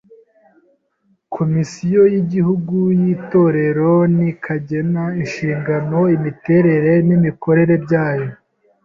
Komisiyo y’Igihugu y’Itorero rikagena inshingano, imiterere n’imikorere byayo.